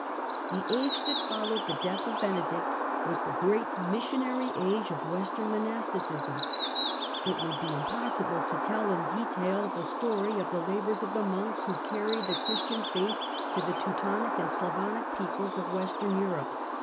The age that followed the death of Benedict was the great missionary age of Western monasticismu Irish It would be impossible to tell in detail the story of the labours of the monks who carried the Christian faith to the Teutonic and Slavonic peoples of Western Europe.